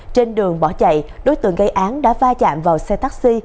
trên đường bỏ chạy đối tượng gây án đã va chạm vào xe taxi